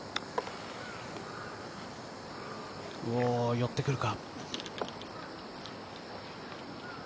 寄ってくるか。